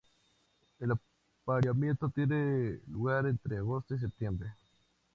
El apareamiento tiene lugar entre agosto y septiembre.